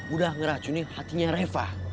udah ngeracunin hatinya reva